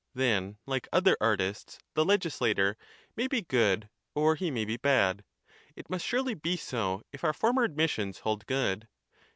Then like other artists the legislator may be good or he may be bad ; it must surely be so if our former admissions hold good?